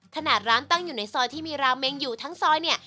ขนาดร้านตั้งอยู่ในซอยที่มีราเมงอยู่ทั้งซอยเนี่ย